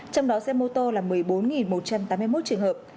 trong đó xe mô tô là một mươi bốn một trăm tám mươi một trường hợp